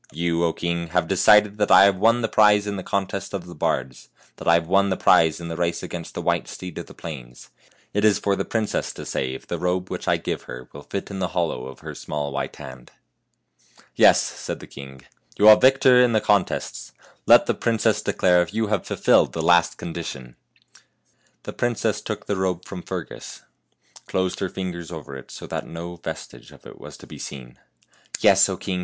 You, O king, have de cided that I have won the prize in the contest of the bards; that I have won the prize in the race against the white steed of the plains; it is for the princess to say if the robe which I give her will fit in the hollow of her small white hand." " Yes, 1 ' said the king. " You arc victor in the contests; let the princess declare if you have fulfilled the last condition." The princess took the robe from Fergus, closed A113T40 100 FAIRY TALES her fingers over it, so that no vestige of it was seen. " Yes, O king